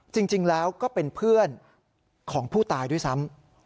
จริงแล้วก็เป็นเพื่อนของผู้ตายด้วยซ้ำ